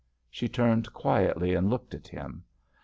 She turned quietly and looked at him.